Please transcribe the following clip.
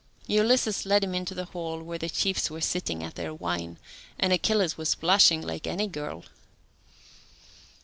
Ulysses led him into the hall where the chiefs were sitting at their wine, and Achilles was blushing like any girl.